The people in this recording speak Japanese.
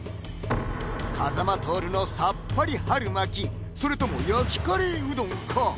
風間トオルのさっぱり春巻きそれとも焼きカレーうどんか？